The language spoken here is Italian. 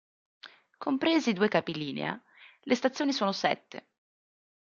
Compresi i due capilinea, le stazioni sono sette.